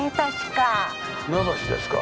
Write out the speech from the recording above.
船橋ですか。